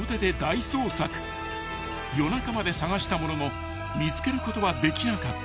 ［夜中まで捜したものの見つけることはできなかった］